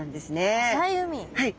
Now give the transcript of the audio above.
はい。